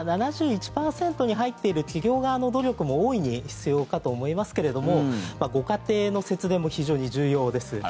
７１％に入っている企業側の努力も大いに必要かと思いますけれどもご家庭の節電も非常に重要です。